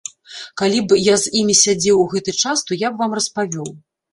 Калі б я з імі сядзеў у гэты час, то я б вам распавёў.